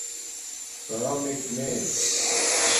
کامک نے